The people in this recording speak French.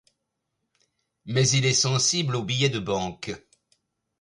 Mais il est sensible au billet de banque.